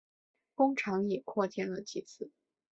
工厂也扩建了几次。